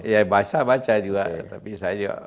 ya baca baca juga tapi saya juga